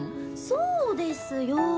そうですよ！